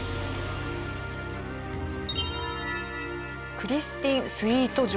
クリスティン・スイート城